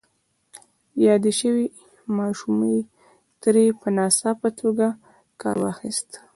يادې شوې ماشومې ترې په ناڅاپي توګه کار واخيست.